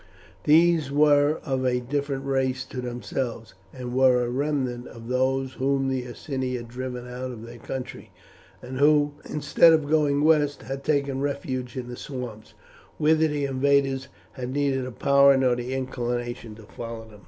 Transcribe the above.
These were of a different race to themselves, and were a remnant of those whom the Iceni had driven out of their country, and who, instead of going west, had taken refuge in the swamps, whither the invaders had neither the power nor inclination to follow them.